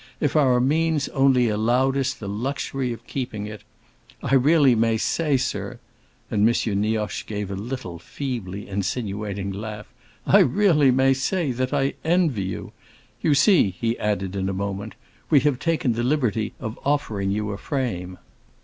If our means only allowed us the luxury of keeping it! I really may say, sir—" and M. Nioche gave a little feebly insinuating laugh—"I really may say that I envy you! You see," he added in a moment, "we have taken the liberty of offering you a frame.